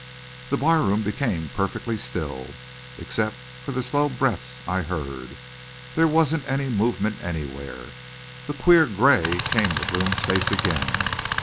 "The barroom became perfectly still, except for the slow breaths I heard. There wasn't any movement anywhere. That queer gray came to Blome's face again.